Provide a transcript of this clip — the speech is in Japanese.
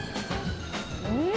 うん！